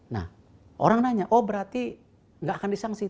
nah orang nanya oh berarti nggak akan disangsi